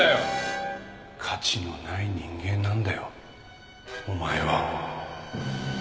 価値のない人間なんだよお前は。